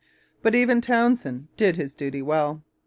But even Townshend did his duty well.